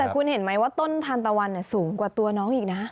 แต่คุณเห็นไหมว่าต้นทานตะวันสูงกว่าตัวน้องอีกนะ